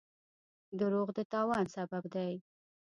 دروغ د تاوان سبب دی.